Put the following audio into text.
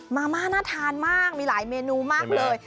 มาม่าน่าทานมากมีหลายเมนูมากเลย